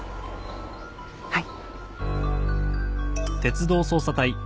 はい。